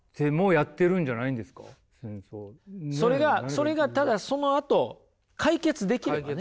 それがただそのあと解決できればね